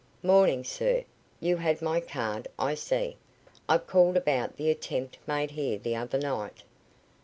"Morning, sir. You had my card, I see. I've called about the attempt made here the other night."